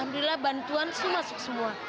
alhamdulillah bantuan masuk semua